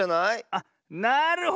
あっなるほど。